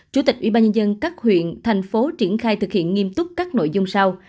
chủ tịch ubnd các huyện thành phố triển khai thực hiện nghiêm túc các nội dung sau